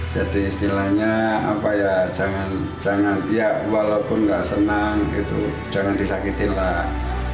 jadi istilahnya apa ya jangan jangan ya walaupun nggak senang gitu jangan disakitin lah